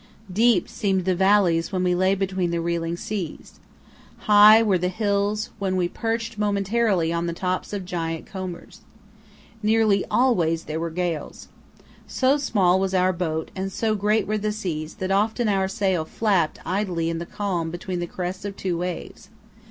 Deep seemed the valleys when we lay between the reeling seas. High were the hills when we perched momentarily on the tops of giant combers. Nearly always there were gales. So small was our boat and so great were the seas that often our sail flapped idly in the calm between the crests of two waves.